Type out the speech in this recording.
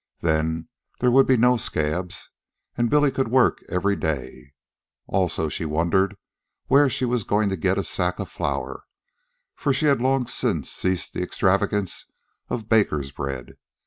Then there would be no scabs, and Billy could work every day. Also, she wondered where she was to get a sack of flour, for she had long since ceased the extravagance of baker's bread.